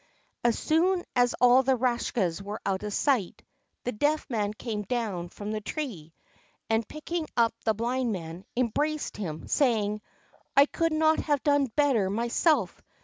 As soon as all the Rakshas were out of sight, the Deaf Man came down from the tree, and, picking up the Blind Man, embraced him, saying: "I could not have done better myself.